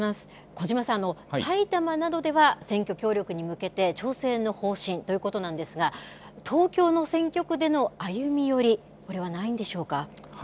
小嶋さん、埼玉などでは、選挙協力に向けて調整の方針ということなんですが、東京の選挙区での歩み寄り、これはないんでしょうか。